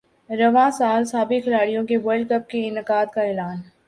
رواں سال سابق کھلاڑیوں کے ورلڈ کپ کے انعقاد کا اعلان